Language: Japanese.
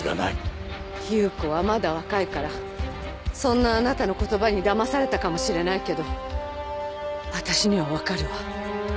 夕子はまだ若いからそんなあなたの言葉にだまされたかもしれないけどわたしには分かるわ。